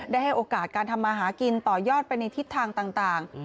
ให้โอกาสการทำมาหากินต่อยอดไปในทิศทางต่าง